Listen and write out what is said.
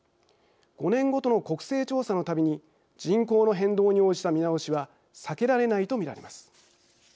５年ごとの国勢調査のたびに人口の変動に応じた見直しは避けられないと見られます。